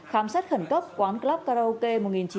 khám sát khẩn cấp quán club karaoke một nghìn chín trăm chín mươi chín